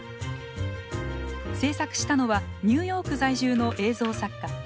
制作したのはニューヨーク在住の映像作家